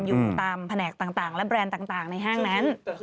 อยู่ตามแผนกต่างและแบรนด์ต่างในห้างนั้น